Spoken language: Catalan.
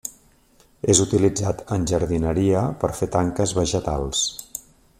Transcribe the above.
És utilitzat en jardineria, per fer tanques vegetals.